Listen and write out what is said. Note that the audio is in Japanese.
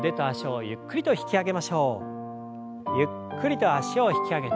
ゆっくりと脚を引き上げて。